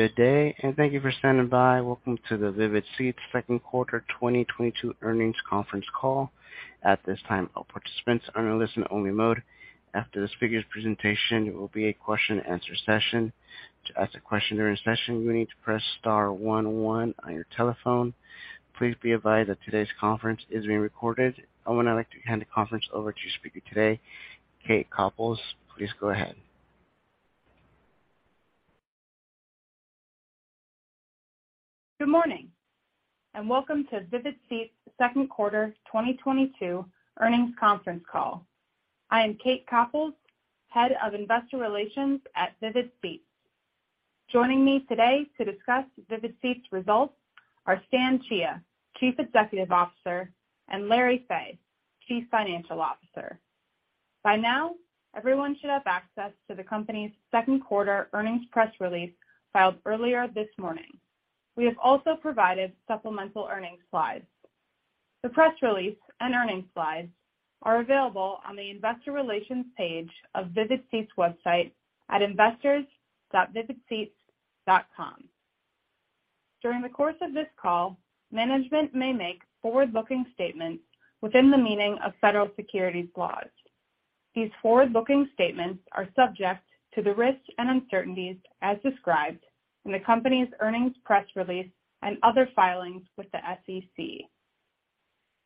Good day, and thank you for standing by. Welcome to the Vivid Seats second quarter 2022 earnings conference call. At this time, all participants are in listen only mode. After the speaker's presentation, there will be a question and answer session. To ask a question during the session, you need to press star one one on your telephone. Please be advised that today's conference is being recorded. I would now like to hand the conference over to your speaker today, Kate Copouls. Please go ahead. Good morning, and welcome to Vivid Seats second quarter 2022 earnings conference call. I am Kate Copouls, Head of Investor Relations at Vivid Seats. Joining me today to discuss Vivid Seats results are Stan Chia, Chief Executive Officer, and Larry Fey, Chief Financial Officer. By now, everyone should have access to the company's second quarter earnings press release filed earlier this morning. We have also provided supplemental earnings slides. The press release and earnings slides are available on the investor relations page of Vivid Seats website at investors.vividseats.com. During the course of this call, management may make forward-looking statements within the meaning of federal securities laws. These forward-looking statements are subject to the risks and uncertainties as described in the company's earnings press release and other filings with the SEC.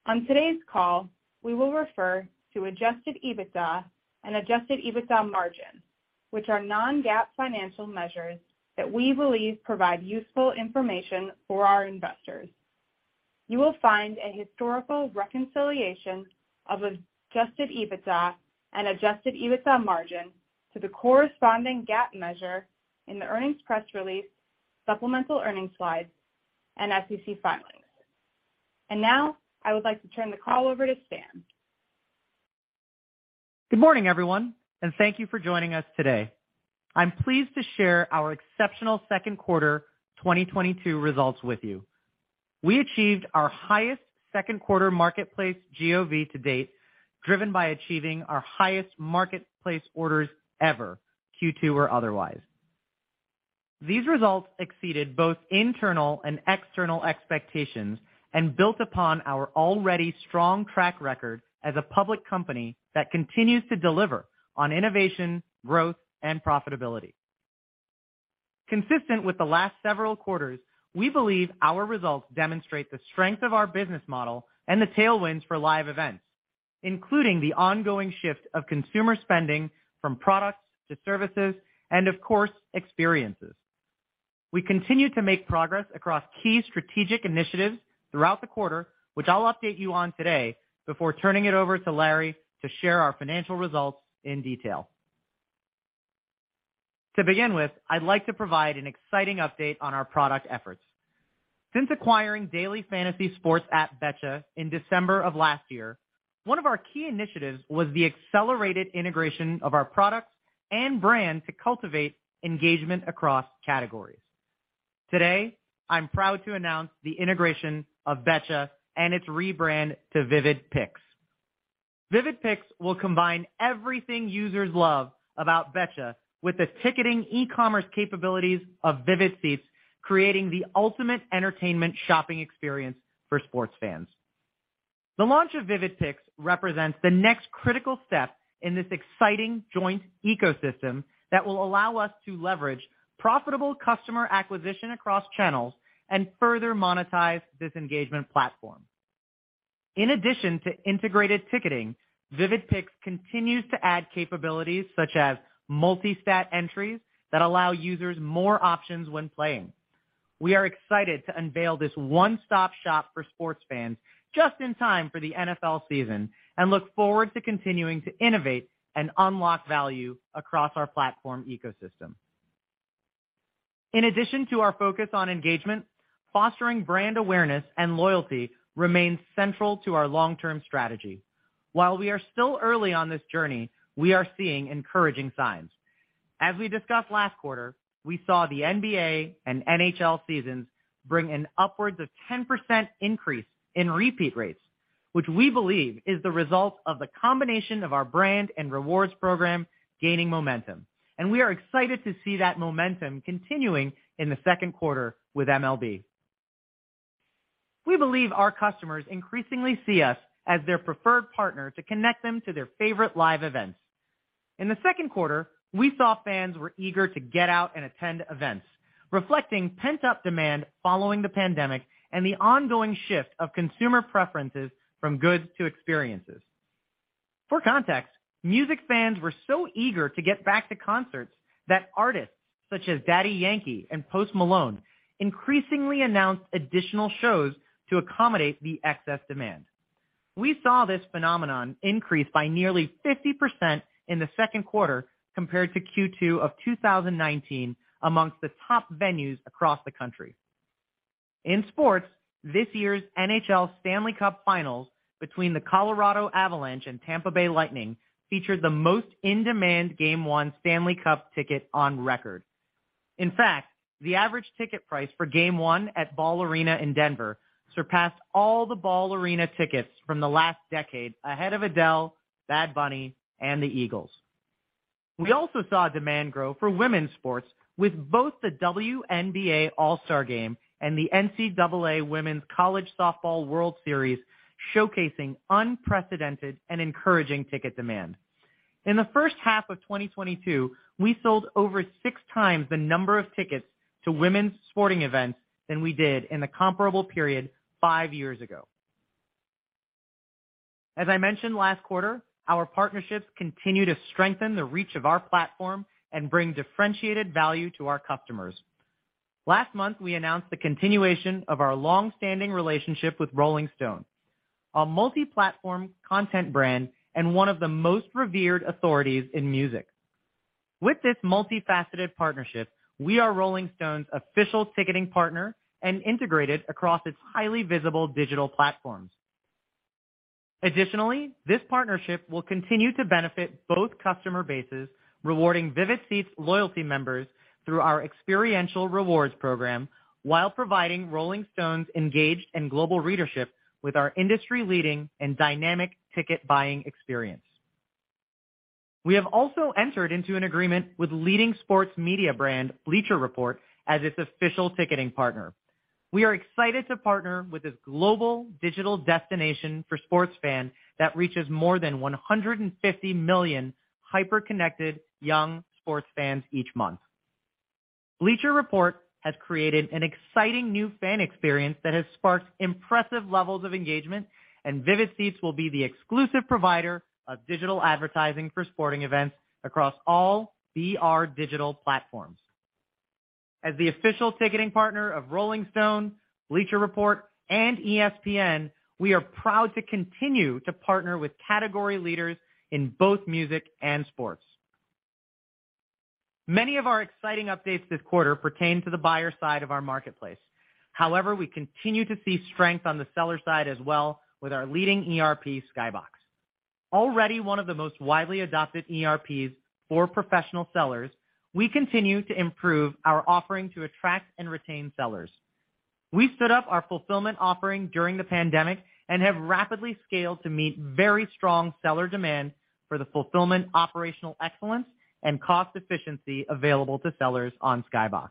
On today's call, we will refer to adjusted EBITDA and adjusted EBITDA margin, which are non-GAAP financial measures that we believe provide useful information for our investors. You will find a historical reconciliation of adjusted EBITDA and adjusted EBITDA margin to the corresponding GAAP measure in the earnings press release, supplemental earnings slides and SEC filings. Now, I would like to turn the call over to Stan. Good morning, everyone, and thank you for joining us today. I'm pleased to share our exceptional second quarter 2022 results with you. We achieved our highest second quarter marketplace GOV to date, driven by achieving our highest marketplace orders ever, Q2 or otherwise. These results exceeded both internal and external expectations and built upon our already strong track record as a public company that continues to deliver on innovation, growth, and profitability. Consistent with the last several quarters, we believe our results demonstrate the strength of our business model and the tailwinds for live events, including the ongoing shift of consumer spending from products to services and of course, experiences. We continue to make progress across key strategic initiatives throughout the quarter, which I'll update you on today before turning it over to Larry to share our financial results in detail. To begin with, I'd like to provide an exciting update on our product efforts. Since acquiring Betcha in December of last year, one of our key initiatives was the accelerated integration of our products and brand to cultivate engagement across categories. Today, I'm proud to announce the integration of Betcha and its rebrand to Vivid Picks. Vivid Picks will combine everything users love about Betcha with the ticketing e-commerce capabilities of Vivid Seats, creating the ultimate entertainment shopping experience for sports fans. The launch of Vivid Picks represents the next critical step in this exciting joint ecosystem that will allow us to leverage profitable customer acquisition across channels and further monetize this engagement platform. In addition to integrated ticketing, Vivid Picks continues to add capabilities such as multi-stat entries that allow users more options when playing. We are excited to unveil this one-stop-shop for sports fans just in time for the NFL season, and look forward to continuing to innovate and unlock value across our platform ecosystem. In addition to our focus on engagement, fostering brand awareness and loyalty remains central to our long-term strategy. While we are still early on this journey, we are seeing encouraging signs. As we discussed last quarter, we saw the NBA and NHL seasons bring an upwards of 10% increase in repeat rates, which we believe is the result of the combination of our brand and rewards program gaining momentum, and we are excited to see that momentum continuing in the second quarter with MLB. We believe our customers increasingly see us as their preferred partner to connect them to their favorite live events. In the second quarter, we saw fans were eager to get out and attend events, reflecting pent-up demand following the pandemic and the ongoing shift of consumer preferences from goods to experiences. For context, music fans were so eager to get back to concerts that artists such as Daddy Yankee and Post Malone increasingly announced additional shows to accommodate the excess demand. We saw this phenomenon increase by nearly 50% in the second quarter compared to Q2 of 2019 amongst the top venues across the country. In sports, this year's NHL Stanley Cup Final between the Colorado Avalanche and Tampa Bay Lightning featured the most in-demand game one Stanley Cup ticket on record. In fact, the average ticket price for game one at Ball Arena in Denver surpassed all the Ball Arena tickets from the last decade ahead of Adele, Bad Bunny, and the Eagles. We also saw demand grow for women's sports with both the WNBA All-Star Game and the NCAA Women's College Softball World Series showcasing unprecedented and encouraging ticket demand. In the first half of 2022, we sold over six times the number of tickets to women's sporting events than we did in the comparable period five years ago. As I mentioned last quarter, our partnerships continue to strengthen the reach of our platform and bring differentiated value to our customers. Last month, we announced the continuation of our long-standing relationship with Rolling Stone, a multi-platform content brand and one of the most revered authorities in music. With this multifaceted partnership, we are Rolling Stone's official ticketing partner and integrated across its highly visible digital platforms. Additionally, this partnership will continue to benefit both customer bases, rewarding Vivid Seats loyalty members through our experiential rewards program while providing Rolling Stone's engaged and global readership with our industry-leading and dynamic ticket buying experience. We have also entered into an agreement with leading sports media brand Bleacher Report as its official ticketing partner. We are excited to partner with this global digital destination for sports fans that reaches more than 150 million hyper-connected young sports fans each month. Bleacher Report has created an exciting new fan experience that has sparked impressive levels of engagement, and Vivid Seats will be the exclusive provider of digital advertising for sporting events across all BR digital platforms. As the official ticketing partner of Rolling Stone, Bleacher Report, and ESPN, we are proud to continue to partner with category leaders in both music and sports. Many of our exciting updates this quarter pertain to the buyer side of our marketplace. However, we continue to see strength on the seller side as well with our leading ERP, SkyBox. Already one of the most widely adopted ERPs for professional sellers, we continue to improve our offering to attract and retain sellers. We stood up our fulfillment offering during the pandemic and have rapidly scaled to meet very strong seller demand for the fulfillment, operational excellence, and cost efficiency available to sellers on SkyBox.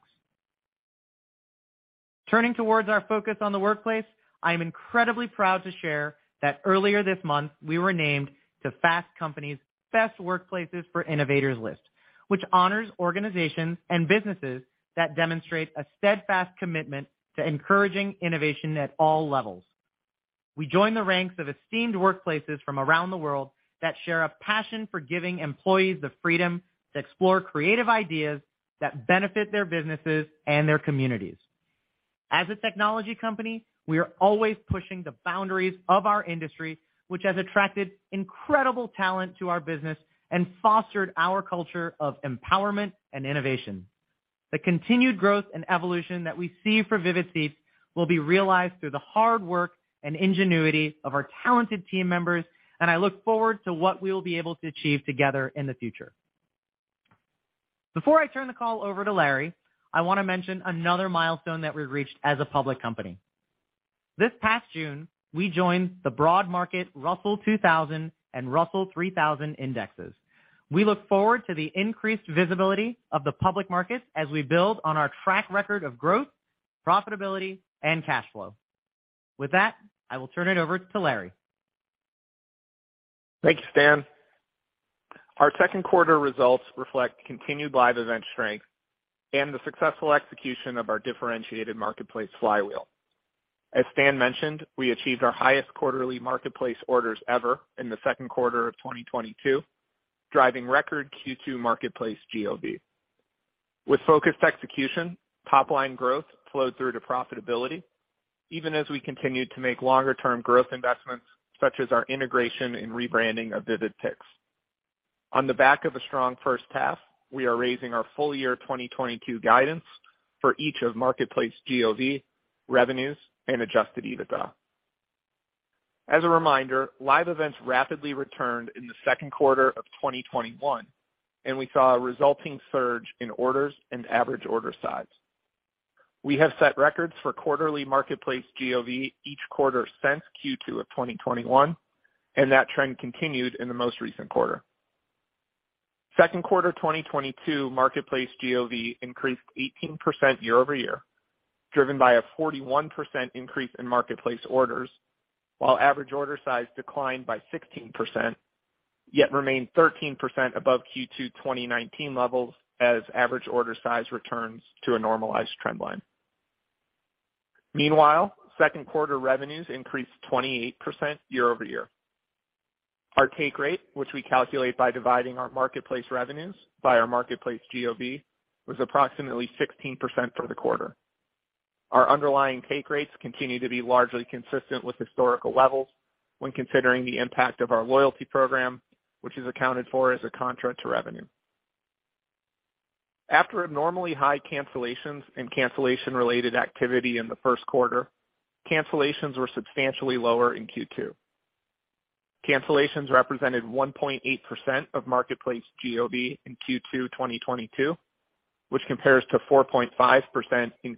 Turning towards our focus on the workplace, I am incredibly proud to share that earlier this month, we were named to Fast Company's Best Workplaces for Innovators list, which honors organizations and businesses that demonstrate a steadfast commitment to encouraging innovation at all levels. We join the ranks of esteemed workplaces from around the world that share a passion for giving employees the freedom to explore creative ideas that benefit their businesses and their communities. As a technology company, we are always pushing the boundaries of our industry, which has attracted incredible talent to our business and fostered our culture of empowerment and innovation. The continued growth and evolution that we see for Vivid Seats will be realized through the hard work and ingenuity of our talented team members, and I look forward to what we will be able to achieve together in the future. Before I turn the call over to Larry, I want to mention another milestone that we've reached as a public company. This past June, we joined the broad market Russell 2000 and Russell 3000 indexes. We look forward to the increased visibility of the public markets as we build on our track record of growth, profitability, and cash flow. With that, I will turn it over to Larry. Thank you, Stan. Our second quarter results reflect continued live event strength and the successful execution of our differentiated marketplace flywheel. As Stan mentioned, we achieved our highest quarterly marketplace orders ever in the second quarter of 2022, driving record Q2 marketplace GOV. With focused execution, top-line growth flowed through to profitability, even as we continued to make longer-term growth investments, such as our integration and rebranding of Vivid Picks. On the back of a strong first half, we are raising our full year 2022 guidance for each of marketplace GOV, revenues, and adjusted EBITDA. As a reminder, live events rapidly returned in the second quarter of 2021, and we saw a resulting surge in orders and average order size. We have set records for quarterly marketplace GOV each quarter since Q2 of 2021, and that trend continued in the most recent quarter. Q2 2022 Marketplace GOV increased 18% year-over-year, driven by a 41% increase in marketplace orders, while average order size declined by 16%, yet remained 13% above Q2 2019 levels as average order size returns to a normalized trend line. Meanwhile, Q2 revenues increased 28% year-over-year. Our take rate, which we calculate by dividing our marketplace revenues by our Marketplace GOV, was approximately 16% for the quarter. Our underlying take rates continue to be largely consistent with historical levels when considering the impact of our loyalty program, which is accounted for as a contra to revenue. After abnormally high cancellations and cancellation-related activity in the first quarter, cancellations were substantially lower in Q2. Cancellations represented 1.8% of marketplace GOV in Q2 2022. Which compares to 4.5% in Q1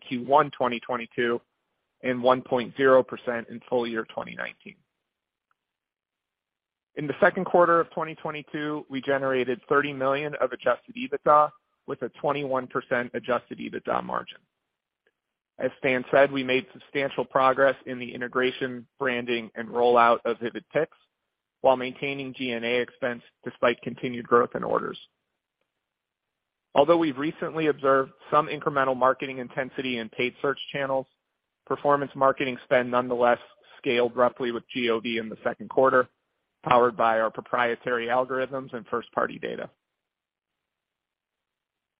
2022 and 1.0% in full year 2019. In the second quarter of 2022, we generated $30 million of adjusted EBITDA with a 21% adjusted EBITDA margin. As Stan said, we made substantial progress in the integration, branding, and rollout of Vivid Picks while maintaining G&A expense despite continued growth in orders. Although we've recently observed some incremental marketing intensity in paid search channels, performance marketing spend nonetheless scaled roughly with GOV in the second quarter, powered by our proprietary algorithms and first-party data.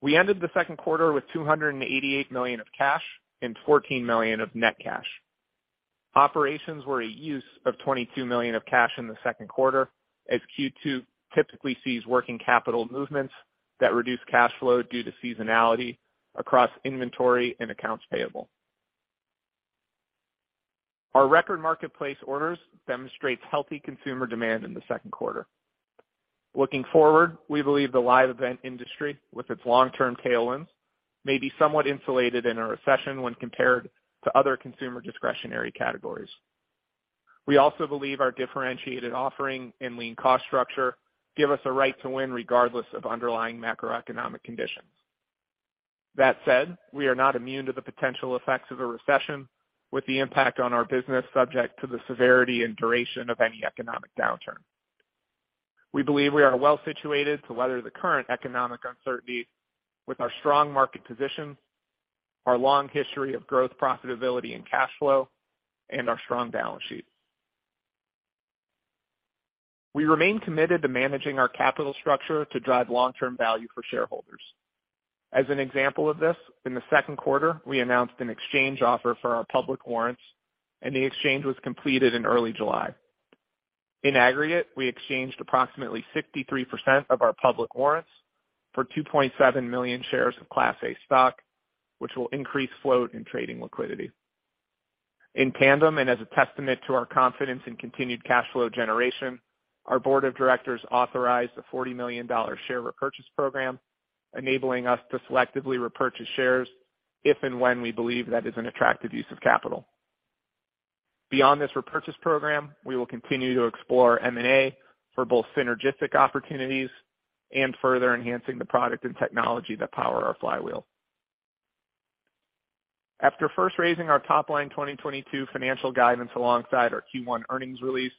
We ended the second quarter with $288 million of cash and $14 million of net cash. Operations were a use of $22 million of cash in the second quarter, as Q2 typically sees working capital movements that reduce cash flow due to seasonality across inventory and accounts payable. Our record marketplace orders demonstrates healthy consumer demand in the second quarter. Looking forward, we believe the live event industry, with its long-term tailwinds, may be somewhat insulated in a recession when compared to other consumer discretionary categories. We also believe our differentiated offering and lean cost structure give us a right to win regardless of underlying macroeconomic conditions. That said, we are not immune to the potential effects of a recession, with the impact on our business subject to the severity and duration of any economic downturn. We believe we are well situated to weather the current economic uncertainty with our strong market position, our long history of growth, profitability, and cash flow, and our strong balance sheet. We remain committed to managing our capital structure to drive long-term value for shareholders. As an example of this, in the second quarter, we announced an exchange offer for our public warrants, and the exchange was completed in early July. In aggregate, we exchanged approximately 63% of our public warrants for 2.7 million shares of Class A stock, which will increase float and trading liquidity. In tandem, and as a testament to our confidence in continued cash flow generation, our board of directors authorized a $40 million share repurchase program, enabling us to selectively repurchase shares if and when we believe that is an attractive use of capital. Beyond this repurchase program, we will continue to explore M&A for both synergistic opportunities and further enhancing the product and technology that power our flywheel. After first raising our top-line 2022 financial guidance alongside our Q1 earnings release,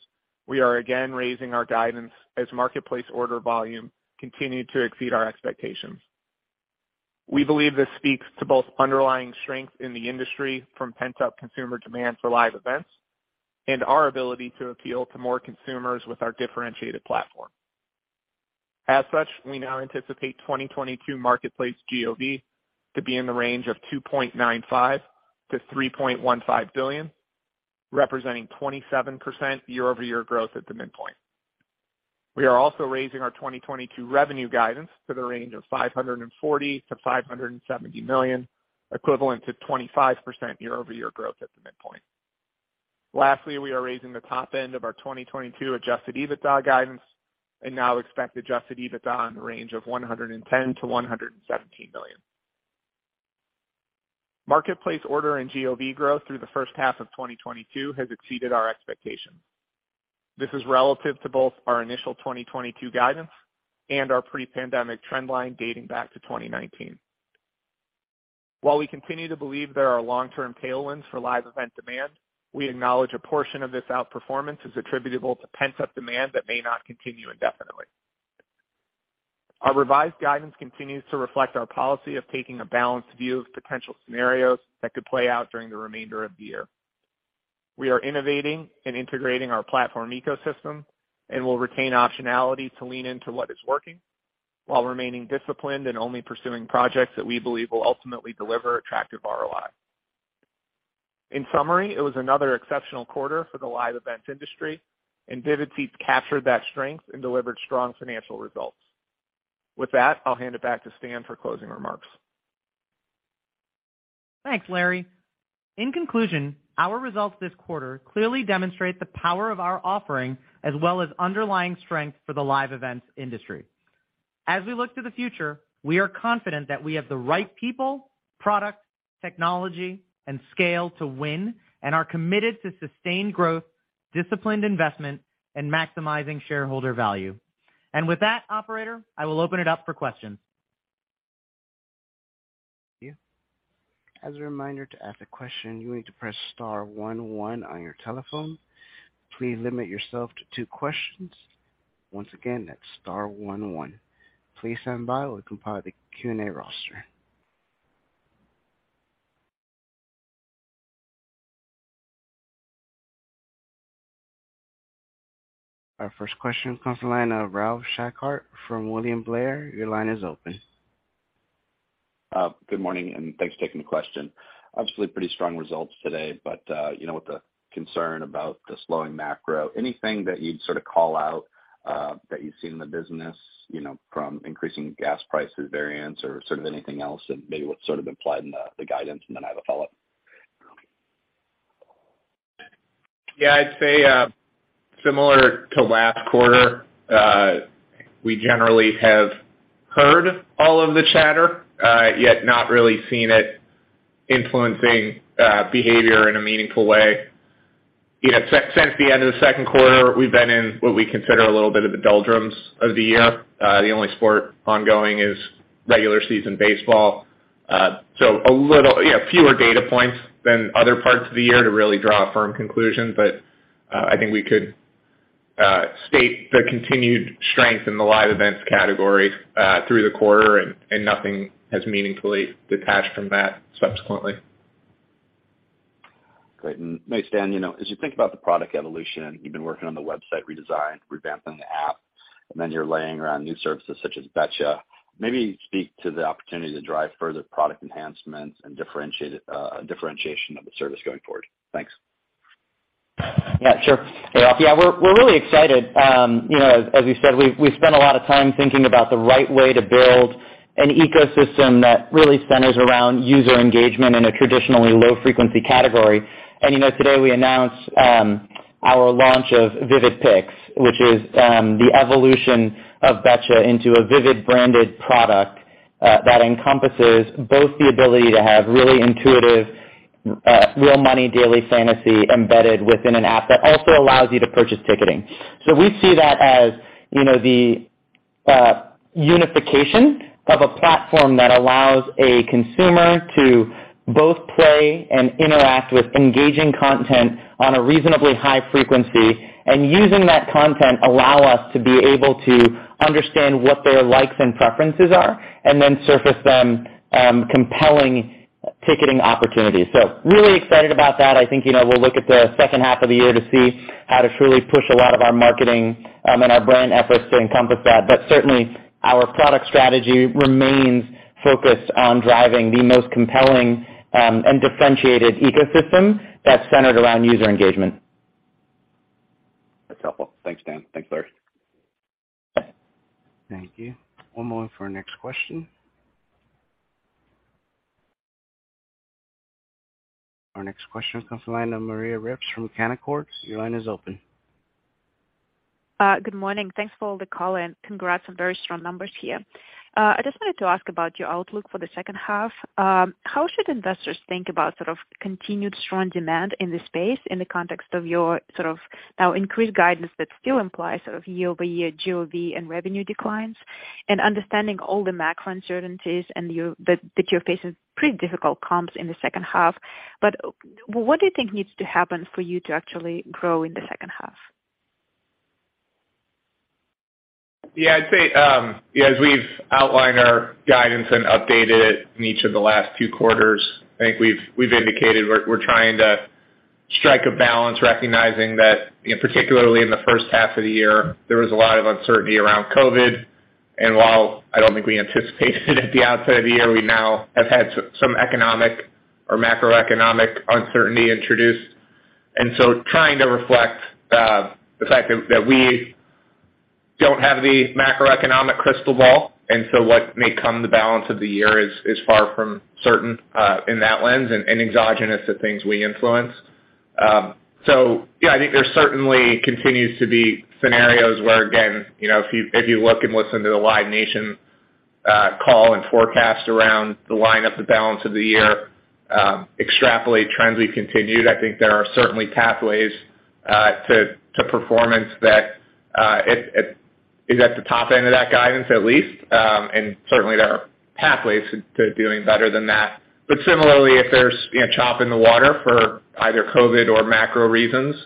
we are again raising our guidance as marketplace order volume continued to exceed our expectations. We believe this speaks to both underlying strength in the industry from pent-up consumer demand for live events and our ability to appeal to more consumers with our differentiated platform. As such, we now anticipate 2022 Marketplace GOV to be in the range of $2.95 billion-$3.15 billion, representing 27% year-over-year growth at the midpoint. We are also raising our 2022 revenue guidance to the range of $540 million-$570 million, equivalent to 25% year-over-year growth at the midpoint. Lastly, we are raising the top end of our 2022 adjusted EBITDA guidance and now expect adjusted EBITDA in the range of $110 million-$117 million. Marketplace order and GOV growth through the first half of 2022 has exceeded our expectations. This is relative to both our initial 2022 guidance and our pre-pandemic trend line dating back to 2019. While we continue to believe there are long-term tailwinds for live event demand, we acknowledge a portion of this outperformance is attributable to pent-up demand that may not continue indefinitely. Our revised guidance continues to reflect our policy of taking a balanced view of potential scenarios that could play out during the remainder of the year. We are innovating and integrating our platform ecosystem and will retain optionality to lean into what is working while remaining disciplined and only pursuing projects that we believe will ultimately deliver attractive ROI. In summary, it was another exceptional quarter for the live event industry, and Vivid Seats captured that strength and delivered strong financial results. With that, I'll hand it back to Stan for closing remarks. Thanks, Larry. In conclusion, our results this quarter clearly demonstrate the power of our offering as well as underlying strength for the live events industry. As we look to the future, we are confident that we have the right people, products, technology, and scale to win and are committed to sustained growth, disciplined investment, and maximizing shareholder value. With that, operator, I will open it up for questions. As a reminder, to ask a question, you need to press star one one on your telephone. Please limit yourself to two questions. Once again, that's star one one. Please stand by while we compile the Q&A roster. Our first question comes from the line of Ralph Schackart from William Blair. Your line is open. Good morning, thanks for taking the question. Obviously pretty strong results today, but you know, with the concern about the slowing macro, anything that you'd sort of call out that you've seen in the business, you know, from increasing gas prices variance or sort of anything else that maybe was sort of implied in the guidance? Then I have a follow-up. Yeah, I'd say, similar to last quarter, we generally have heard all of the chatter, yet not really seen it influencing, behavior in a meaningful way. You know, since the end of the second quarter, we've been in what we consider a little bit of the doldrums of the year. The only sport ongoing is regular season baseball. So a little fewer data points than other parts of the year to really draw a firm conclusion, but, I think we could state the continued strength in the live events category, through the quarter and nothing has meaningfully detached from that subsequently. Great. Hey, Stan, you know, as you think about the product evolution, you've been working on the website redesign, revamping the app, and then you're rolling out new services such as Betcha. Maybe speak to the opportunity to drive further product enhancements and differentiate, differentiation of the service going forward. Thanks. Yeah, sure. Hey, Raffi. Yeah, we're really excited. You know, as you said, we spent a lot of time thinking about the right way to build an ecosystem that really centers around user engagement in a traditionally low frequency category. You know, today we announced our launch of Vivid Picks, which is the evolution of Betcha into a Vivid branded product that encompasses both the ability to have really intuitive real money daily fantasy embedded within an app that also allows you to purchase ticketing. We see that as you know, the unification of a platform that allows a consumer to both play and interact with engaging content on a reasonably high frequency, and using that content allow us to be able to understand what their likes and preferences are and then surface them compelling ticketing opportunities. Really excited about that. I think, you know, we'll look at the second half of the year to see how to truly push a lot of our marketing, and our brand efforts to encompass that. Certainly our product strategy remains focused on driving the most compelling, and differentiated ecosystem that's centered around user engagement. That's helpful. Thanks, Stan. Thanks, Larry. Thank you. One moment for our next question. Our next question comes from the line of Maria Ripps from Canaccord. Your line is open. Good morning. Thanks for joining the call and congrats on very strong numbers here. I just wanted to ask about your outlook for the second half. How should investors think about sort of continued strong demand in this space in the context of your sort of now increased guidance that still implies sort of year-over-year GOV and revenue declines and understanding all the macro uncertainties and that you're facing pretty difficult comps in the second half. What do you think needs to happen for you to actually grow in the second half? Yeah, I'd say, as we've outlined our guidance and updated it in each of the last few quarters, I think we've indicated we're trying to strike a balance recognizing that, you know, particularly in the first half of the year, there was a lot of uncertainty around COVID. While I don't think we anticipated at the outset of the year, we now have had some economic or macroeconomic uncertainty introduced. Trying to reflect the fact that we don't have the macroeconomic crystal ball, and so what may come the balance of the year is far from certain, in that lens and exogenous to things we influence. Yeah, I think there certainly continues to be scenarios where, again, you know, if you look and listen to the Live Nation call and forecast around the line of the balance of the year, extrapolate trends we continued. I think there are certainly pathways to performance that it is at the top end of that guidance at least. Certainly there are pathways to doing better than that. Similarly, if there's, you know, choppy waters for either COVID or macro reasons,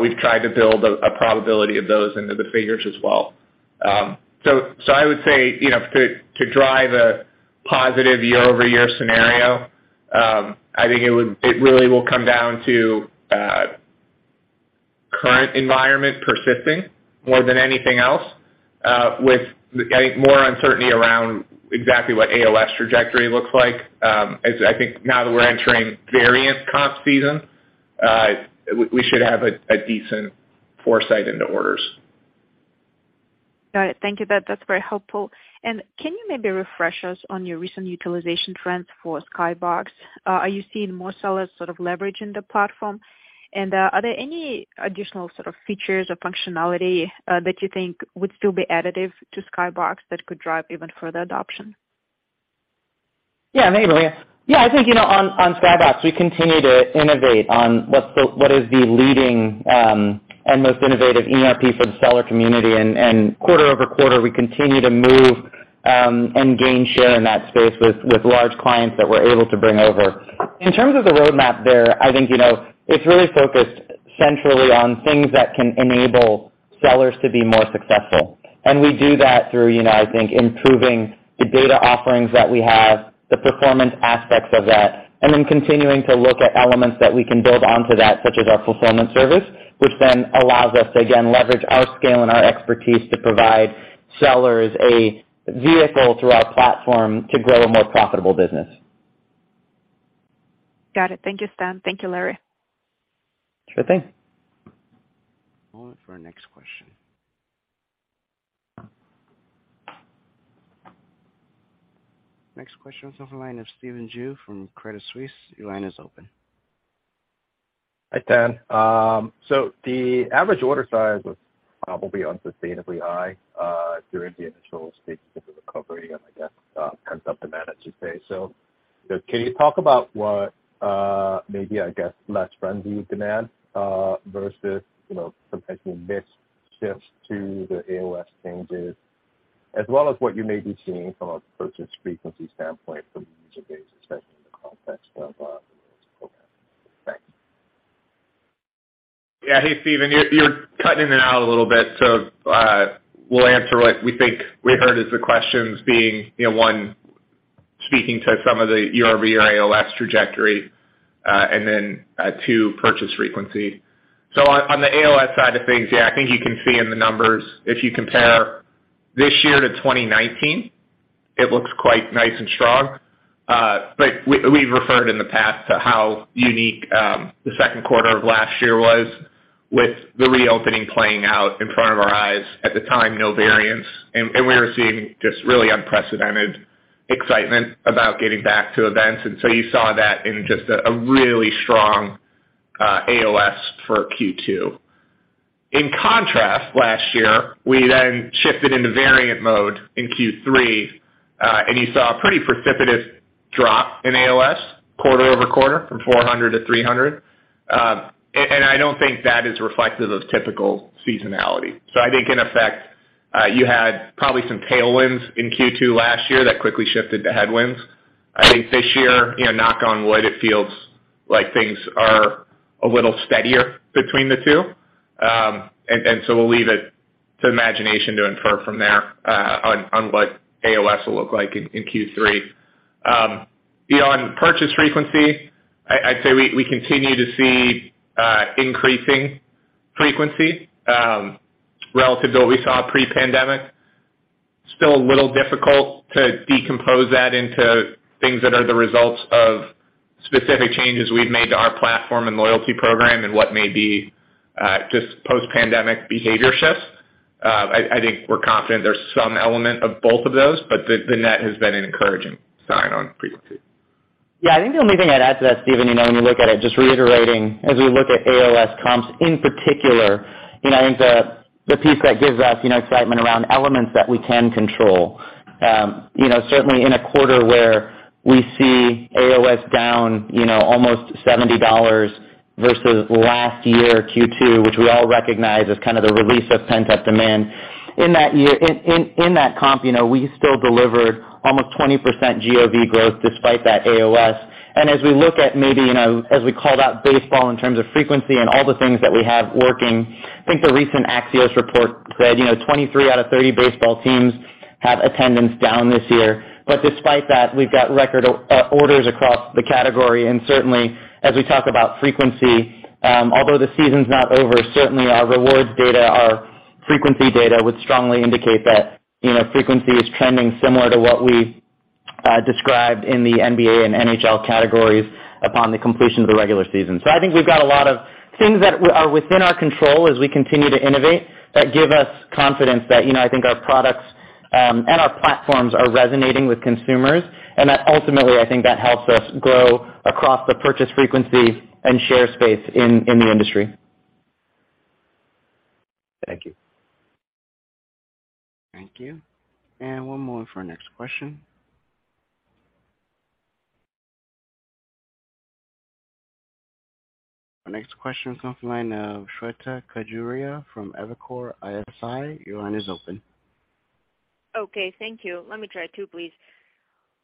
we've tried to build a probability of those into the figures as well. I would say, you know, to drive a positive year-over-year scenario, I think it really will come down to current environment persisting more than anything else, with I think more uncertainty around exactly what AOS trajectory looks like. As I think now that we're entering various concert season, we should have a decent foresight into orders. Got it. Thank you. That's very helpful. Can you maybe refresh us on your recent utilization trends for SkyBox? Are you seeing more sellers sort of leveraging the platform? Are there any additional sort of features or functionality that you think would still be additive to SkyBox that could drive even further adoption? Yeah, maybe. Yeah. I think, you know, on SkyBox, we continue to innovate on what is the leading and most innovative ERP for the seller community. Quarter-over-quarter, we continue to move and gain share in that space with large clients that we're able to bring over. In terms of the roadmap there, I think, you know, it's really focused centrally on things that can enable sellers to be more successful. We do that through, you know, I think improving the data offerings that we have, the performance aspects of that, and then continuing to look at elements that we can build onto that, such as our fulfillment service, which then allows us to again leverage our scale and our expertise to provide sellers a vehicle through our platform to grow a more profitable business. Got it. Thank you, Stan. Thank you, Larry. Sure thing. One moment for our next question. Next question comes from the line of Stephen Ju from Credit Suisse. Your line is open. Hi, Stan. The average order size was probably unsustainably high during the initial stages of recovery, and I guess pent-up demand, I should say. Can you talk about what maybe I guess less frenzied demand versus you know potentially mixed shifts to the AOS changes, as well as what you may be seeing from a purchase frequency standpoint from user base, especially in the context of the loyalty program? Thanks. Yeah. Hey, Stephen, you're cutting in and out a little bit, so we'll answer what we think we heard as the questions being, you know, one, speaking to some of the URV or AOS trajectory, and then two purchase frequency. On the AOS side of things, yeah, I think you can see in the numbers if you compare this year to 2019, it looks quite nice and strong. We've referred in the past to how unique the second quarter of last year was with the reopening playing out in front of our eyes at the time, no variance. We were seeing just really unprecedented excitement about getting back to events. You saw that in just a really strong AOS for Q2. In contrast, last year, we then shifted into variant mode in Q3, and you saw a pretty precipitous drop in AOS quarter-over-quarter from $400 to $300. I don't think that is reflective of typical seasonality. I think in effect, you had probably some tailwinds in Q2 last year that quickly shifted to headwinds. I think this year, you know, knock on wood, it feels like things are a little steadier between the two. We'll leave it to imagination to infer from there, on what AOS will look like in Q3. Beyond purchase frequency, I'd say we continue to see increasing frequency relative to what we saw pre-pandemic. Still a little difficult to decompose that into things that are the results of specific changes we've made to our platform and loyalty program and what may be just post-pandemic behavior shifts. I think we're confident there's some element of both of those, but the net has been an encouraging sign on frequency. Yeah. I think the only thing I'd add to that, Stephen, you know, when you look at it, just reiterating as we look at AOS comps in particular, you know, I think the piece that gives us, you know, excitement around elements that we can control. Certainly in a quarter where we see AOS down, you know, almost $70 versus last year Q2, which we all recognize as kind of the release of pent-up demand. In that comp, you know, we still delivered almost 20% GOV growth despite that AOS. As we look at maybe, you know, as we call that baseball in terms of frequency and all the things that we have working, I think the recent Axios report said, you know, 23 out of 30 baseball teams have attendance down this year. Despite that, we've got record orders across the category. Certainly as we talk about frequency, although the season's not over, certainly our rewards data, our frequency data would strongly indicate that, you know, frequency is trending similar to what we described in the NBA and NHL categories upon the completion of the regular season. I think we've got a lot of things that are within our control as we continue to innovate, that give us confidence that, you know, I think our products and our platforms are resonating with consumers, and that ultimately I think that helps us grow across the purchase frequency and share space in the industry. Thank you. Thank you. One more for our next question. Our next question comes from the line of Shweta Khajuria from Evercore ISI. Your line is open. Okay, thank you. Let me try two, please.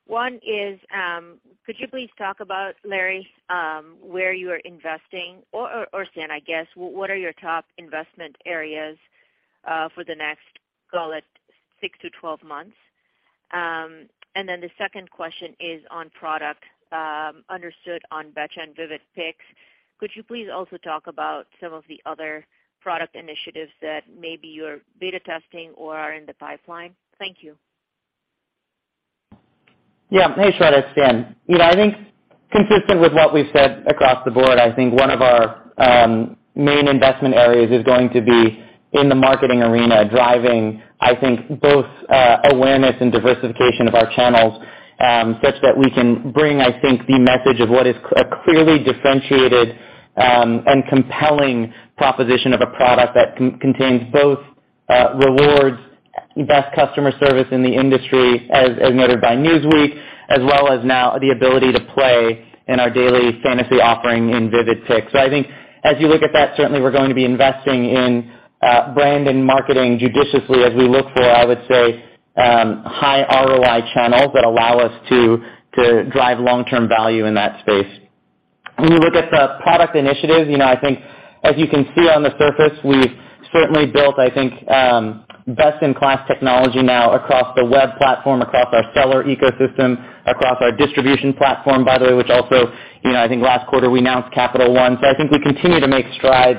One is, could you please talk about, Larry, where you are investing or Stan, I guess, what are your top investment areas for the next, call it 6-12 months? The second question is on product, understood on Betcha and Vivid Picks. Could you please also talk about some of the other product initiatives that maybe you're beta testing or are in the pipeline? Thank you. Yeah. Hey, Shweta. It's Stan. You know, I think consistent with what we've said across the board, I think one of our main investment areas is going to be in the marketing arena, driving, I think, both awareness and diversification of our channels such that we can bring, I think, the message of what is clearly differentiated and compelling proposition of a product that contains both rewards, best customer service in the industry, as noted by Newsweek, as well as now the ability to play in our daily fantasy offering in Vivid Picks. I think as you look at that, certainly we're going to be investing in brand and marketing judiciously as we look for, I would say, high ROI channels that allow us to drive long-term value in that space. When you look at the product initiatives, you know, I think as you can see on the surface, we've certainly built, I think, best in class technology now across the web platform, across our seller ecosystem, across our distribution platform, by the way, which also, you know, I think last quarter we announced Capital One. So I think we continue to make strides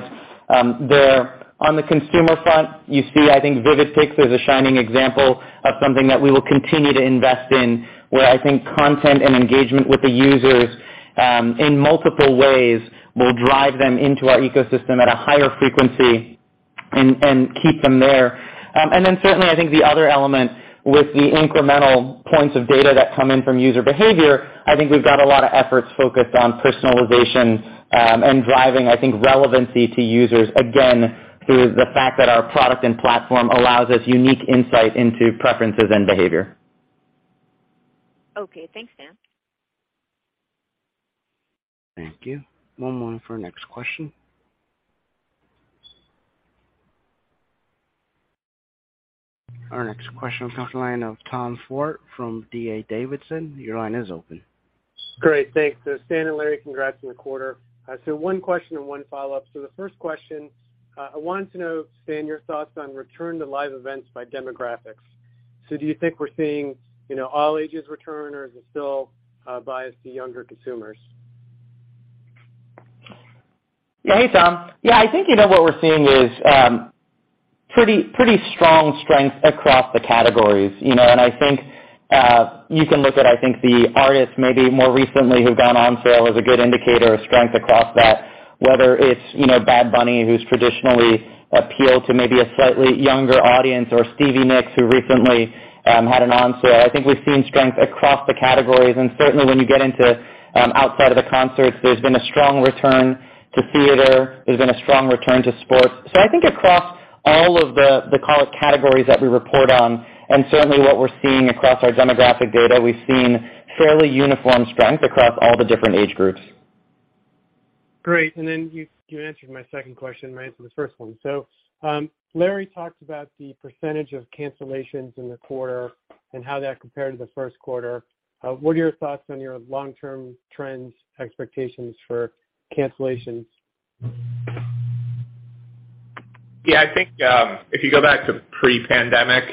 there. On the consumer front, you see I think Vivid Picks is a shining example of something that we will continue to invest in, where I think content and engagement with the users in multiple ways will drive them into our ecosystem at a higher frequency and keep them there. Certainly I think the other element with the incremental points of data that come in from user behavior, I think we've got a lot of efforts focused on personalization, and driving, I think, relevancy to users, again, through the fact that our product and platform allows us unique insight into preferences and behavior. Okay. Thanks, Stan. Thank you. One moment for our next question. Our next question comes from the line of Tom Forte from D.A. Davidson. Your line is open. Great. Thanks. Stan and Larry, congrats on the quarter. I just have one question and one follow-up. The first question, I wanted to know, Stan, your thoughts on return to live events by demographics. Do you think we're seeing, you know, all ages return, or is it still biased to younger consumers? Yeah. Hey, Tom. Yeah, I think, you know, what we're seeing is pretty strong across the categories, you know. I think you can look at the artists maybe more recently who've gone on sale as a good indicator of strength across that, whether it's, you know, Bad Bunny, who's traditionally appealed to maybe a slightly younger audience, or Stevie Nicks, who recently had an on sale. I think we've seen strength across the categories, and certainly when you get into outside of the concerts, there's been a strong return to theater. There's been a strong return to sports. I think across all of the core categories that we report on, and certainly what we're seeing across our demographic data, we've seen fairly uniform strength across all the different age groups. Great. You answered my second question right in the first one. Larry talked about the percentage of cancellations in the quarter and how that compared to the first quarter. What are your thoughts on your long-term trends expectations for cancellations? Yeah. I think, if you go back to pre-pandemic,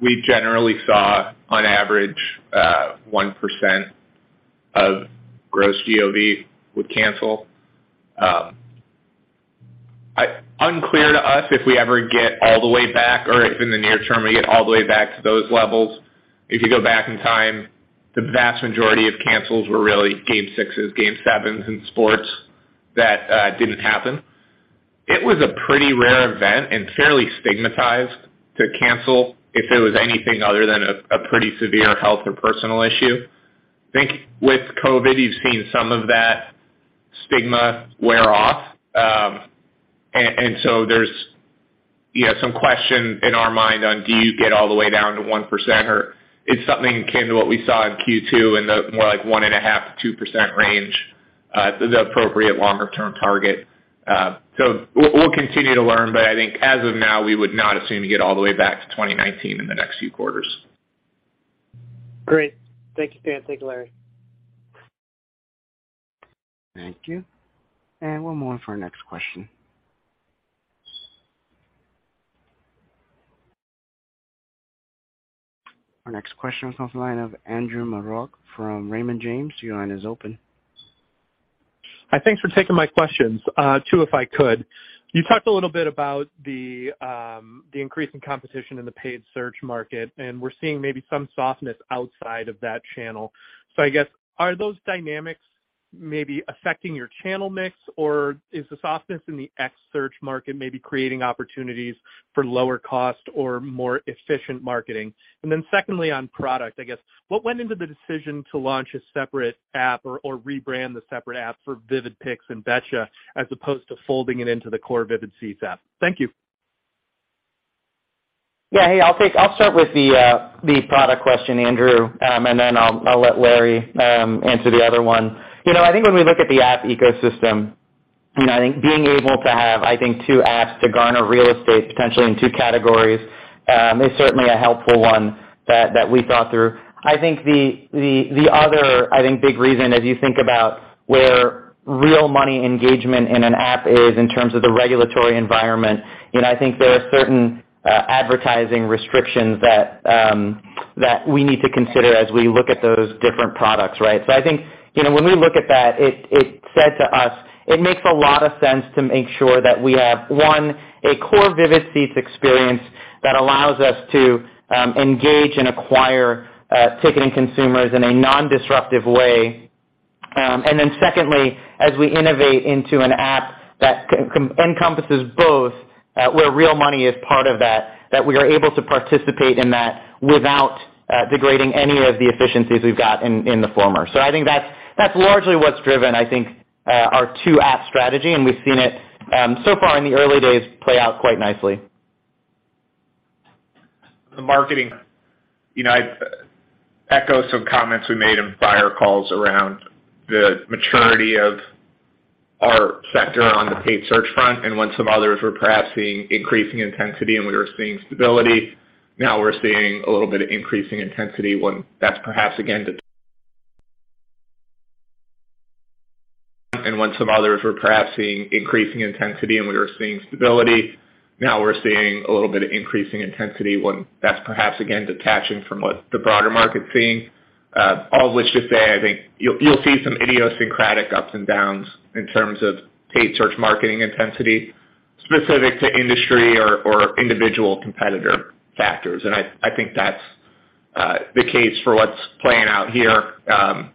we generally saw on average, 1% of gross GOV would cancel. Unclear to us if we ever get all the way back or if in the near term we get all the way back to those levels. If you go back in time, the vast majority of cancels were really game sixes, game sevens in sports that didn't happen. It was a pretty rare event and fairly stigmatized to cancel if it was anything other than a pretty severe health or personal issue. I think with COVID, you've seen some of that stigma wear off. There's, you know, some question in our mind on do you get all the way down to 1% or if something came to what we saw in Q2 in the more like 1.5%-2% range, is the appropriate longer term target. We'll continue to learn, but I think as of now, we would not assume to get all the way back to 2019 in the next few quarters. Great. Thank you, Stan. Thank you, Larry. Thank you. One more for our next question. Our next question comes from the line of Andrew Marok from Raymond James. Your line is open. Hi. Thanks for taking my questions. Two, if I could. You talked a little bit about the increase in competition in the paid search market, and we're seeing maybe some softness outside of that channel. I guess, are those dynamics maybe affecting your channel mix, or is the softness in the paid search market maybe creating opportunities for lower cost or more efficient marketing? Then secondly, on product, I guess what went into the decision to launch a separate app or rebrand the separate app for Vivid Picks and Betcha, as opposed to folding it into the core Vivid Seats app? Thank you. Yeah. Hey, I'll start with the product question, Andrew, and then I'll let Larry answer the other one. You know, I think when we look at the app ecosystem, you know, I think being able to have, I think two apps to garner real estate potentially in two categories is certainly a helpful one that we thought through. I think the other big reason as you think about where real money engagement in an app is in terms of the regulatory environment, you know, I think there are certain advertising restrictions that we need to consider as we look at those different products, right? I think, you know, when we look at that, it said to us it makes a lot of sense to make sure that we have, one, a core Vivid Seats experience that allows us to engage and acquire ticketing consumers in a non-disruptive way. And then secondly, as we innovate into an app that encompasses both, where real money is part of that we are able to participate in that without degrading any of the efficiencies we've got in the former. I think that's largely what's driven, I think, our two app strategy, and we've seen it so far in the early days play out quite nicely. The marketing, you know, I'd echo some comments we made in prior calls around the maturity of our sector on the paid search front and when some others were perhaps seeing increasing intensity and we were seeing stability. Now we're seeing a little bit of increasing intensity when that's perhaps again detaching from what the broader market's seeing. All of which to say, I think you'll see some idiosyncratic ups and downs in terms of paid search marketing intensity specific to industry or individual competitor factors. I think that's the case for what's playing out here.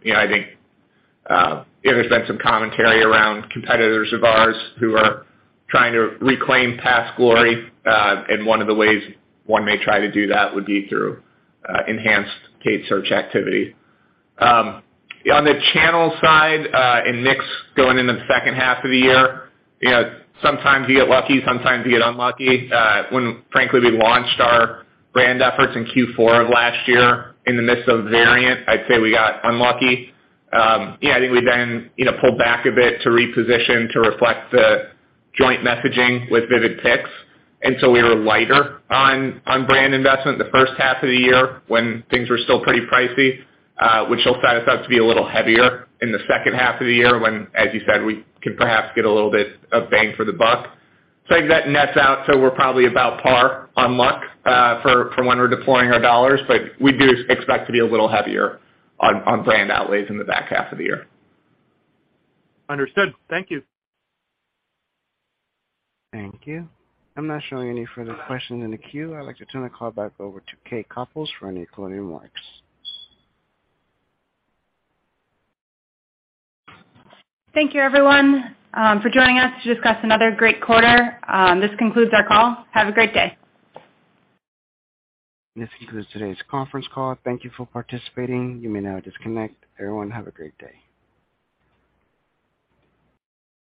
You know, I think there's been some commentary around competitors of ours who are trying to reclaim past glory. One of the ways one may try to do that would be through enhanced paid search activity. On the channel side, and mix going into the second half of the year, you know, sometimes you get lucky, sometimes you get unlucky. When frankly, we launched our brand efforts in Q4 of last year in the midst of variant, I'd say we got unlucky. Yeah, I think we then, you know, pulled back a bit to reposition to reflect the joint messaging with Vivid Picks. We were lighter on brand investment the first half of the year when things were still pretty pricey, which will set us up to be a little heavier in the second half of the year when, as you said, we could perhaps get a little bit of bang for the buck. I think that nets out, so we're probably about par on luck for when we're deploying our dollars, but we do expect to be a little heavier on brand outlays in the back half of the year. Understood. Thank you. Thank you. I'm not showing any further questions in the queue. I'd like to turn the call back over to Kate Copouls for any closing remarks. Thank you everyone, for joining us to discuss another great quarter. This concludes our call. Have a great day. This concludes today's conference call. Thank you for participating. You may now disconnect. Everyone, have a great day.